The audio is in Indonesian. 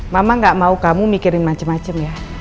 mama gak mau kamu mikirin macem macem ya